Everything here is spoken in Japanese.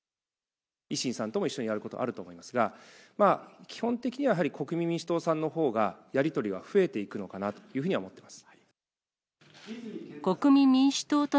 維新さんとも一緒にやることあると思いますが、基本的にはやはり国民民主党さんのほうが、やり取りは増えていくのかなというふうには思っています。